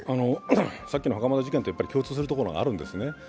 さっきの袴田事件とやっぱり共通するところがあるんです。